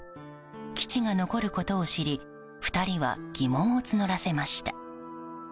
基地が残ることを知り２人は疑問を募らせました。